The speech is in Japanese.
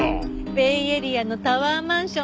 ベイエリアのタワーマンション。